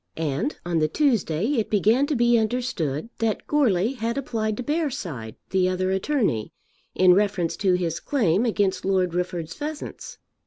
And on the Tuesday it began to be understood that Goarly had applied to Bearside, the other attorney, in reference to his claim against Lord Rufford's pheasants.